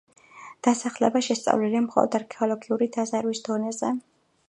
დასახლება შესწავლილია მხოლოდ არქეოლოგიური დაზვერვის დონეზე.